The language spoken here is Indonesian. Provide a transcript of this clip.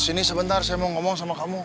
sini sebentar saya mau ngomong sama kamu